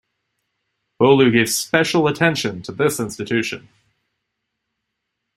Bholu gave special attention to this institution.